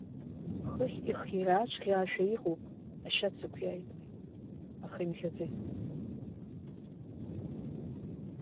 Хыхь ихӷьаа-ҿӷьаашәа иҟоуп, ашьац ықәиааит уи, аха имӷьаӡеит.